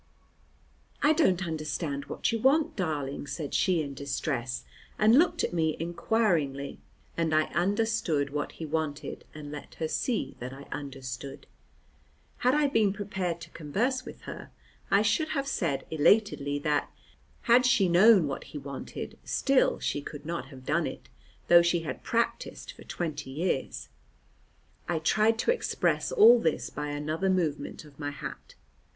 "I don't understand what you want, darling," said she in distress, and looked at me inquiringly, and I understood what he wanted, and let her see that I understood. Had I been prepared to converse with her, I should have said elatedly that, had she known what he wanted, still she could not have done it, though she had practised for twenty years. I tried to express all this by another movement of my hat.